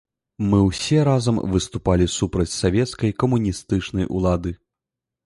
Мы ўсе разам выступалі супраць савецкай камуністычнай улады.